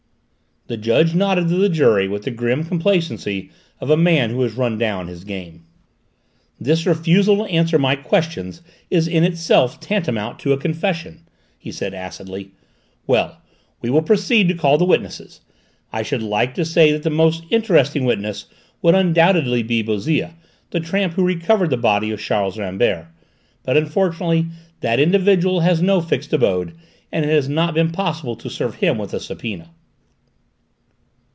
The judge nodded to the jury with the grim complacency of a man who has run down his game. "This refusal to answer my questions is in itself tantamount to a confession," he said acidly. "Well, we will proceed to call the witnesses. I should like to say that the most interesting witness would undoubtedly be Bouzille, the tramp who recovered the body of Charles Rambert; but unfortunately that individual has no fixed abode and it has not been possible to serve him with a subpoena."